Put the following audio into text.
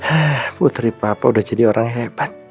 eh putri papa udah jadi orang hebat